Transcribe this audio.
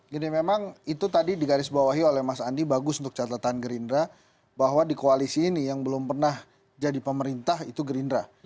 gini memang itu tadi digarisbawahi oleh mas andi bagus untuk catatan gerindra bahwa di koalisi ini yang belum pernah jadi pemerintah itu gerindra